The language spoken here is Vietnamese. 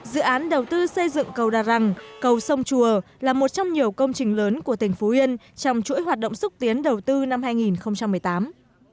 dự án đầu tư xây dựng cầu đà răng cầu sông chùa là một trong nhiều công trình lớn của tỉnh phú yên trong chuỗi hoạt động xúc tiến đầu tư năm hai nghìn một mươi tám